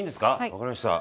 分かりました。